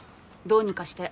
どうにかして。